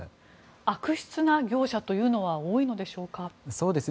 悪質な業者というのは多いのでしょうか？